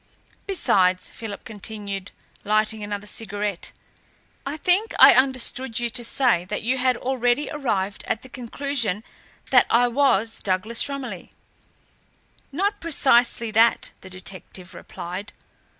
"Besides," Philip continued, lighting another cigarette, "I think I understood you to say that you had already arrived at the conclusion that I was Douglas Romilly?" "Not precisely that," the detective replied.